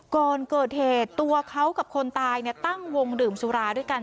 ก่อนเกิดเหตุตัวเขากับคนตายตั้งวงดื่มสุราด้วยกัน